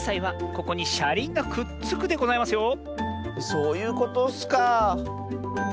そういうことッスか。